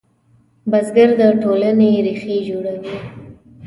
بزګر د ټولنې ریښې جوړوي